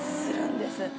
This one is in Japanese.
するんです。